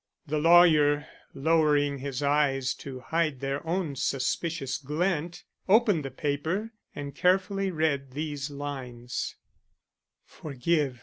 The lawyer, lowering his eyes to hide their own suspicious glint, opened the paper, and carefully read these lines: "Forgive.